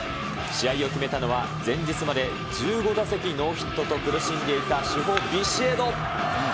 試合を決めたのは、前日まで１５打席ノーヒットと苦しんでいた主砲、ビシエド。